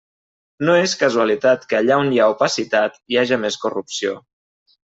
No és casualitat que allà on hi ha opacitat hi haja més corrupció.